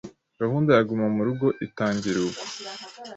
gahunda ya Guma mu Rugo itangira ubwo